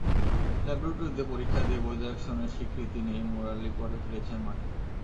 ল্যাবরেটরিতে পরীক্ষা দিয়ে, বৈধ অ্যাকশনের স্বীকৃতি নিয়েই মুরালি পরে ফিরেছেন মাঠে।